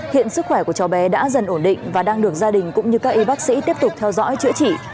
hiện sức khỏe của cháu bé đã dần ổn định và đang được gia đình cũng như các y bác sĩ tiếp tục theo dõi chữa trị